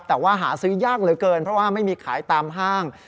แต่ว่าหาซื้อยากเหลือเกินเพราะว่าไม่มีขายตามห้าง